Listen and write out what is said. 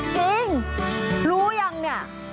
จริงรู้ยังเนี่ย